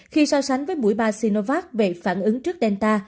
khi so sánh với mũi ba sinovac về phản ứng trước delta